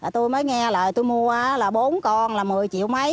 tôi mới nghe lại tôi mua là bốn con là một mươi triệu mấy